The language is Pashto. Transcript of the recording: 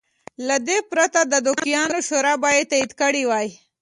له دې پرته د دوکیانو شورا باید تایید کړی وای.